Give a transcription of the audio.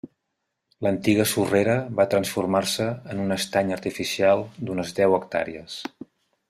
L'antiga sorrera va transformar-se en un estany artificial d'unes deu hectàrees.